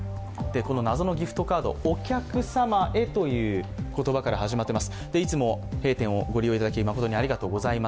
謎のギフトカード、お客様へという言葉から始まっています。